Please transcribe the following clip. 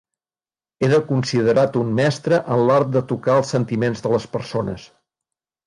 Era considerat un mestre en l'art de tocar els sentiments de les persones.